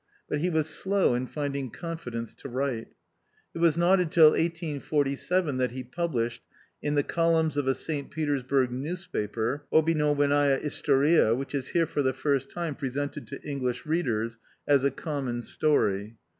But he was slow in finding confidence to write. It was not until 1847 that he published, in the columns of a St. Peters burg newspaper, Obyknowenndia istorita, which is here for the first time presented to English readers as A Common Story.